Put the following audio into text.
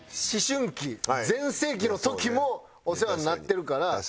思春期全盛期の時もお世話になってるから。